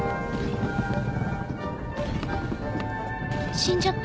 死んじゃった？